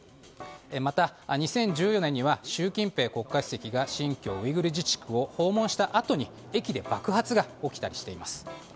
また、２０１４年には習近平国家主席が新疆ウイグル自治区を訪問したあとに駅で爆発が起きたりしています。